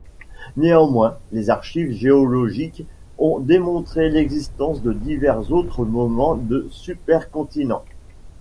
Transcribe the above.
Néanmoins les archives géologiques ont démontré l'existence de divers autres moments de supercontinent.